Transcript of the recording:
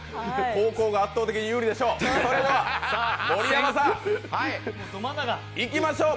後攻が圧倒的に有利でしょう。